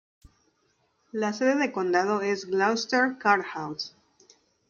La sede de condado es Gloucester Courthouse.